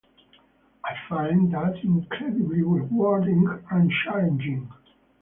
I find that incredibly rewarding and challenging.